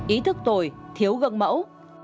ý thức tồi thiếu gần mẫu